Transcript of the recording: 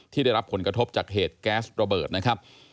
ได้รับผลกระทบจากเหตุแก๊สระเบิดนะครับ